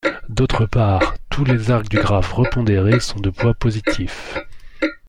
D'autre part, tous les arcs du graphe repondéré sont de poids positifs.